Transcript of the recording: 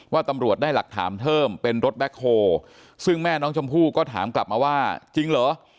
ตำรวจได้หลักฐานเพิ่มเป็นรถแบ็คโฮซึ่งแม่น้องชมพู่ก็ถามกลับมาว่าจริงเหรอ